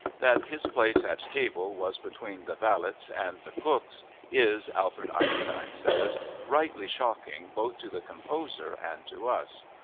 That his place at table was between the valets and the cooks is, Alfred Einstein says, rightly shocking both to the composer and to us.